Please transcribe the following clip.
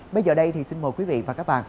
bây giờ đây thì xin mời quý vị và các bạn